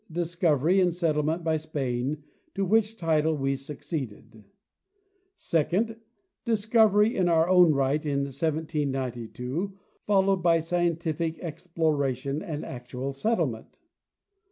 Discovery and settlement by Spain, to which title we succeeded. . Second. Discovery in our own right in 1792, followed by scien tific exploration and actual settlement.